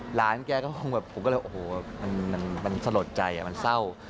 หลานแกก็คงแบบผมก็เลยโอ้โหมันสลดใจมันเศร้า